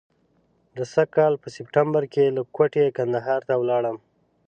د سږ کال په سپټمبر کې له کوټې کندهار ته ولاړم.